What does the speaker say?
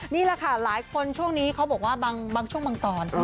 นี่แหละค่ะหลายคนช่วงนี้เขาบอกว่าบางช่วงบางตอน